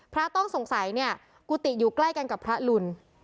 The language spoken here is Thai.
พระต้องสงสัยกูติอยู่ใกล้กันกับพระรุล